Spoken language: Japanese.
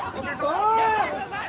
・おい！